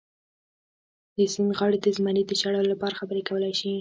د سیند غاړې د زمري د شړلو لپاره خبرې کولی شي.